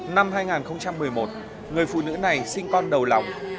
năm hai nghìn một mươi một người phụ nữ này sinh con đầu lòng